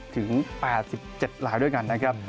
ถึง๘๗ลายด้วยกันนะครับ